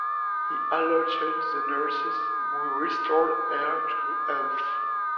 He alerted the nurses, who restored her to health.